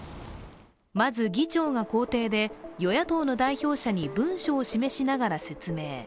まず議長の公邸で与野党の代表者に文書を示しながら説明。